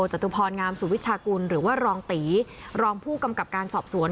จตุพรงามสุวิชากุลหรือว่ารองตีรองผู้กำกับการสอบสวน